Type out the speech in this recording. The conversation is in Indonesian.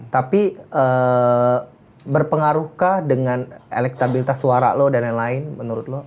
tapi berpengaruhkah dengan elektabilitas suara lo dan lain lain menurut lo